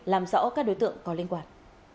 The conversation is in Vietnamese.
làm rõ các đối tượng có liên quan